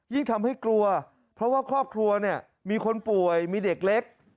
ทำให้กลัวเพราะว่าครอบครัวเนี่ยมีคนป่วยมีเด็กเล็ก